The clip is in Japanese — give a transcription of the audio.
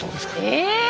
え！